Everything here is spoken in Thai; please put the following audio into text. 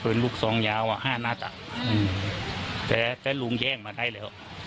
ลูกซองยาวอ่ะห้านัดอ่ะอืมแต่ลุงแย่งมาได้แล้ว